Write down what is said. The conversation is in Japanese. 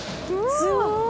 すごーい！